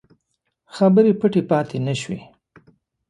خبرې پټې پاته نه شوې.